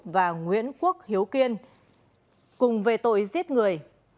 và nguyễn quốc hiếu kiên cùng về tội giết người